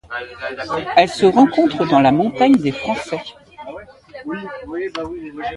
Elle se rencontre dans la montagne des Français.